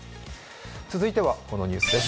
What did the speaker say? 続いてはこのニュースです。